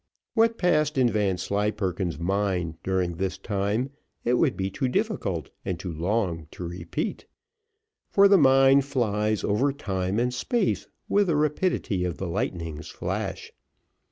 What passed in Vanslyperken's mind during this time, it would be too difficult and too long to repeat, for the mind flies over time and space with the rapidity of the lightning's flash.